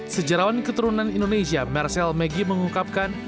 sejarawan keturunan indonesia marcel maggie mengungkapkan